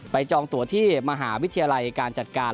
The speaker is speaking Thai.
จองตัวที่มหาวิทยาลัยการจัดการ